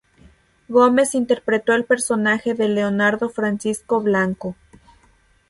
Gómez interpretó el personaje de Leonardo Francisco Blanco.